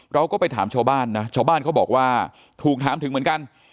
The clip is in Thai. เราก็ไปถามชาวบ้านนะชาวบ้านเขาบอกว่าถูกถามถึงเหมือนกัน